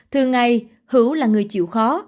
thường ngày hữu là người chịu khó